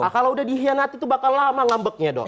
kalau udah dihianati tuh bakal lama ngambeknya dong